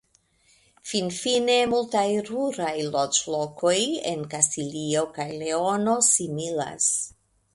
Finfine multaj ruraj loĝlokoj en Kastilio kaj Leono similas.